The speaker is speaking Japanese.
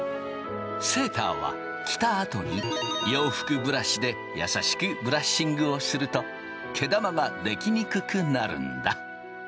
セーターは着たあとに洋服ブラシで優しくブラッシングをすると毛玉が出来にくくなるんだ。